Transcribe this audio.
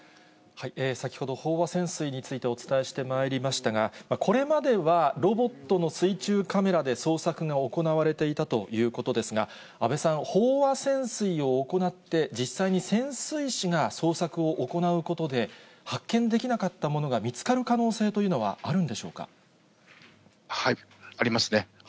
先ほど飽和潜水についてお伝えしてまいりましたが、これまではロボットの水中カメラで捜索が行われていたということですが、安倍さん、飽和潜水を行って実際に潜水士が捜索を行うことで、発見できなかったものが見つかる可能性というのはあるんでしょうありますね。